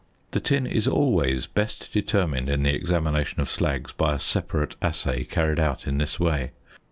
The tin is always best determined in the examination of slags by a separate assay carried out in this way.